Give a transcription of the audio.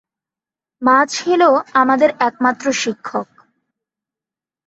মা ছিল আমাদের একমাত্র শিক্ষক।